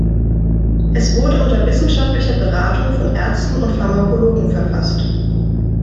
Es wurde unter wissenschaftlicher Beratung von Ärzten und Pharmakologen verfasst.